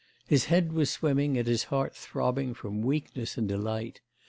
His head was swimming and his heart throbbing from weakness and delight.